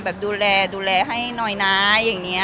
แบบดูแลดูแลให้หน่อยนะอย่างนี้